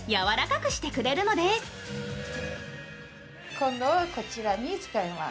今度はこちらを使います。